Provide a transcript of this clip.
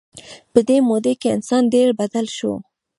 په دې موده کې انسان ډېر بدل شو.